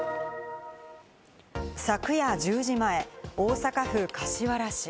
昨夜１０時前、大阪府柏原市。